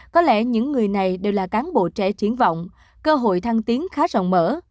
có lẽ những người này đều là cán bộ trẻ triển vọng cơ hội thăng tiến khá rộng mở